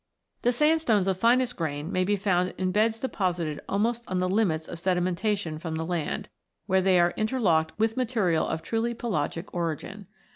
The sandstones of finest grain may be found in beds deposited almost on the limits of sedimentation from the land, where they are interlocked with material of truly pelagic origin.